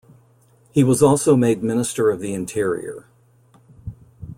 He was also made Minister of the Interior.